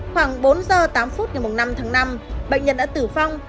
khoảng bốn h tám phút ngày mùng năm tháng năm bệnh nhân đã tử phong